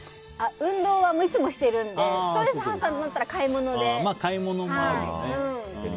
運動はいつもしてるのでストレス発散となったら買い物で。